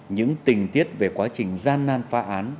những tình tiết về quá trình gian nan phá án